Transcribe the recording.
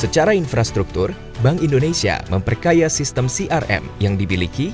secara infrastruktur bank indonesia memperkaya sistem crm yang dimiliki